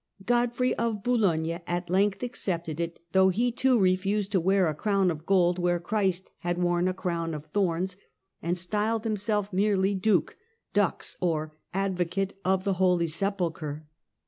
Godfrey of Boulogne at length accepted it, though he, too, refused to wear a crown of gold where Christ had worn a crown of thorns, and styled himself merely Duke " (Diix) or " Advocate " of the Holy Sepulchre.